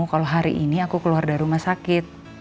kalau hari ini aku keluar dari rumah sakit